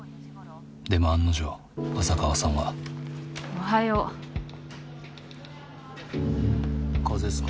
でも案の定浅川さんは。おはよう。風邪っすか？